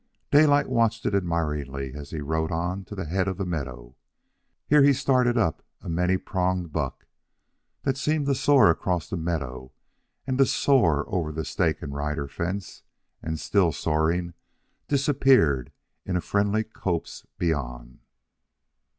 Daylight watched it admiringly as he rode on to the head of the meadow. Here he startled up a many pronged buck, that seemed to soar across the meadow, and to soar over the stake and rider fence, and, still soaring, disappeared in a friendly copse beyond.